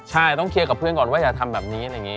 ใช่ต้องเคลียร์กับเพื่อนก่อนว่าอย่าทำแบบนี้อะไรอย่างนี้